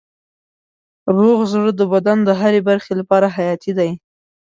روغ زړه د بدن د هرې برخې لپاره حیاتي دی.